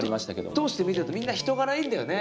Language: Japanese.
通して見てるとみんな人柄いいんだよね。